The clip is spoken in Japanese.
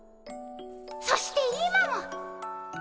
そして今も。